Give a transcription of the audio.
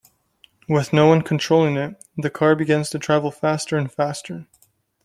With no one controlling it, the car begins to travel faster and faster.